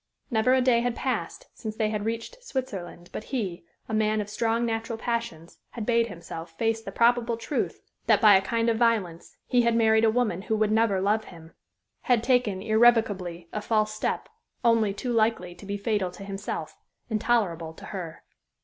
Never a day had passed since they had reached Switzerland but he, a man of strong natural passions, had bade himself face the probable truth that, by a kind of violence, he had married a woman who would never love him had taken irrevocably a false step, only too likely to be fatal to himself, intolerable to her.